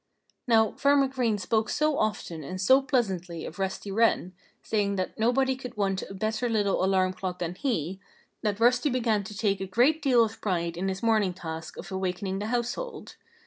Now, Farmer Green spoke so often and so pleasantly of Rusty Wren, saying that nobody could want a better little alarm clock than he, that Rusty began to take a great deal of pride in his morning task of awakening the household.